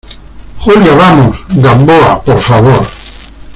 Julia, vamos. Gamboa , por favor .